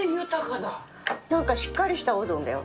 なんかしっかりしたおうどんだよ。